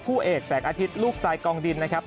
คู่เอกแสงอาทิตย์ลูกทรายกองดินนะครับ